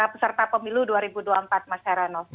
peserta pemilu dua ribu dua puluh empat mas heranov